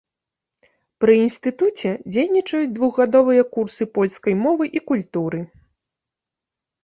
Пры інстытуце дзейнічаюць двухгадовыя курсы польскай мовы і культуры.